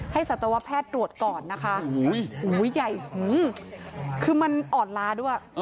ให้สัตวแพทย์ตรวจก่อนนะคะอุ้ยอุ้ยใหญ่คือมันอ่อนลาด้วย